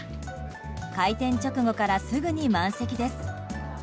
開店直後からすぐに満席です。